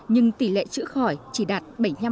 nhưng tỷ lệ chữa khỏi chỉ đạt bảy mươi năm